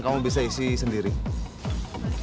saya bisa berhenti disini